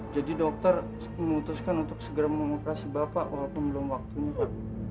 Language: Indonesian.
jadi dokter memutuskan untuk segera mengoperasi bapak walaupun belum waktunya